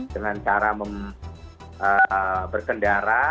dengan cara berkendara